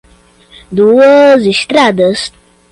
Duas Estradas